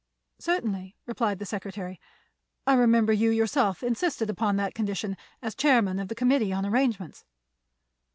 "Certainly," replied the secretary. "I remember you yourself insisted upon that condition, as chairman of the committee on arrangements."